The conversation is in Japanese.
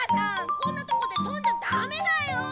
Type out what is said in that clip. こんなとこでとんじゃダメだよ！